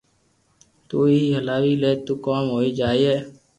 تو بي ھلاوي لي تو ڪوم ھوئي جائي